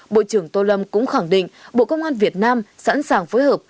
bộ trưởng tô lâm cũng khẳng định bộ công an việt nam sẵn sàng phối hợp